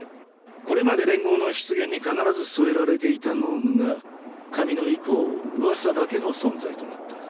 これまで連合の出現に必ず添えられていた脳無が神野以降噂だけの存在となった。